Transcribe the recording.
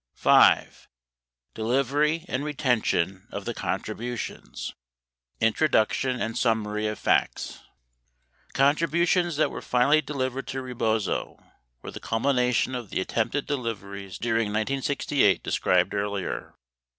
V. DELIVERY AND RETENTION OF THE CONTRIBUTIONS Introduction and Summary of Facts The contributions that were finally delivered to Rebozo were the culmination of the attempted deliveries during 1968 described earlier.